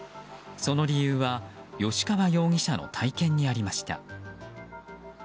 その理由は吉川容疑者の体験にありました。